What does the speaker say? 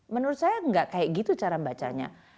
menurut saya nggak kayak gitu cara bacanya